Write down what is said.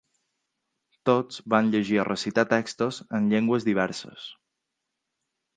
Tots vam llegir o recitar textos en llengües diverses.